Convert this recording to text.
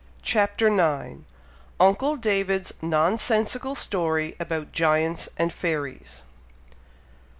CHAPTER IX. UNCLE DAVID'S NONSENSICAL STORY ABOUT GIANTS AND FAIRIES.